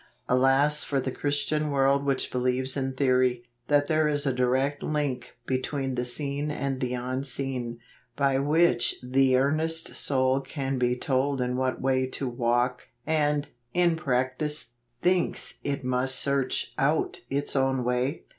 Alas for the Christian world which believes in theory, that there is a direct link between the seen and the unseen, by which the earnest soul can be told in what way to walk, and, in practice, thinks it must search out its own way!